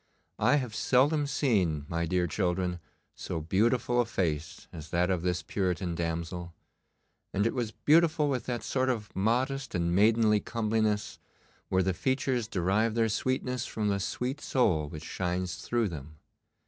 I have seldom seen, my dear children, so beautiful a face as that of this Puritan damsel; and it was beautiful with that sort of modest and maidenly comeliness where the features derive their sweetness from the sweet soul which shines through them.